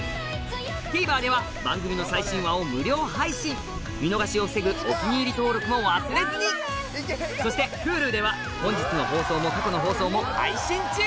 ＴＶｅｒでは番組の最新話を無料配信見逃しを防ぐ「お気に入り」登録も忘れずにそしてＨｕｌｕでは本日の放送も過去の放送も配信中！